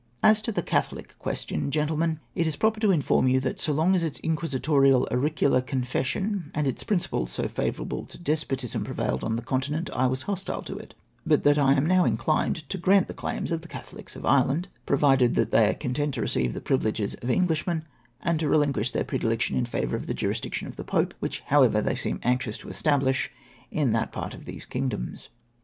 " As to the Catholic . Question, Gentlemen, it is proper to inform you that so long as its inquisitorial auricular confes sion and its principles so favourable to despotism prev^ailed on the Continent, I was hostile to it ; but that I am now 260 APPOINTMENT OF OFFICERS BY MERIT inclined to grant the claims of the Catholics of Ireland, provided that they are content to receive the privileges of Englishmen, and to relinqnish their predilection in favour of the jurisdiction of the Pope, which, however, they seem anxious to establish in that part of these kingdoms.